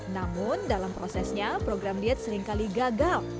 namun dalam prosesnya program diet seringkali gagal